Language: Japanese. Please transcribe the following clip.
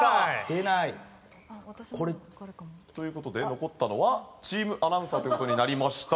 出ない。という事で残ったのはＴＥＡＭアナウンサーという事になりました。